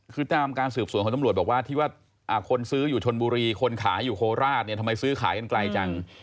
คือตามการสืบสวนของตำรวจบอกว่าที่ว่าคนซื้ออยู่ชนบุรีคนขายอยู่โคราชเนี่ยทำไมซื้อขายกันไกลจัง